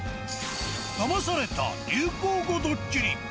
ダマされた流行語ドッキリ。